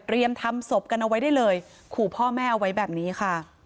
ทำศพกันเอาไว้ได้เลยขู่พ่อแม่เอาไว้แบบนี้ค่ะ